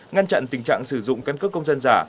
ngăn chặn tình trạng sử dụng căn cước công dân giả